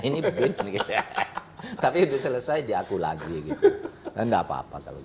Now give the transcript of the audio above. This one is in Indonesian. ini beban gitu ya tapi itu selesai diaku lagi gitu dan enggak apa apa kalau